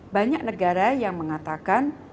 banyak negara yang mengatakan